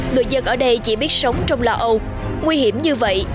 người dân ở đây chỉ biết sống trong lò âu nguy hiểm như vậy